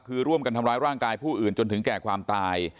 คือร่วมกันทำร้ายร่างกายผู้อื่นจนถึงแก่ความตาย